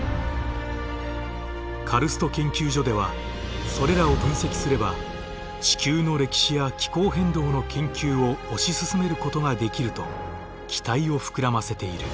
カルスト研究所ではそれらを分析すれば地球の歴史や気候変動の研究を推し進めることができると期待を膨らませている。